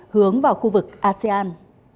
hướng vào khu vực asean